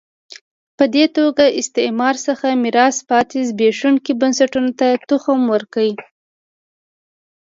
په دې توګه له استعمار څخه میراث پاتې زبېښونکو بنسټونو تخم وکره.